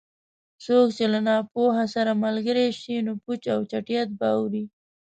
څوک چې له ناپوه سره ملګری شي؛ نو پوچ او چټیات به اوري.